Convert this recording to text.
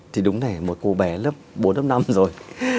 thì đúng là một cô bé lớp bốn lớp năm rồi